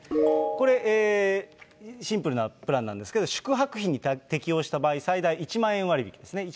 これ、シンプルなプランなんですけど、宿泊費に適用した場合、最大１万円割引ですね。